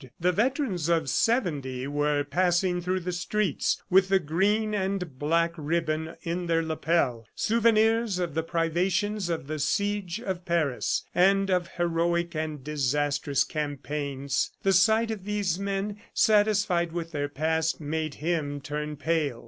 The veterans of '70 were passing through the streets, with the green and black ribbon in their lapel, souvenirs of the privations of the Siege of Paris, and of heroic and disastrous campaigns. The sight of these men, satisfied with their past, made him turn pale.